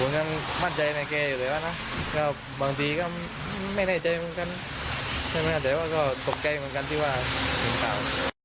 ผมยังมั่นใจในแกอยู่แล้วนะก็บางทีก็ไม่แน่ใจเหมือนกันใช่ไหมแต่ว่าก็ตกใจเหมือนกันที่ว่าเห็นข่าว